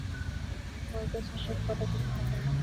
বরকত সাহেব কড়া চোখে তাকালেন।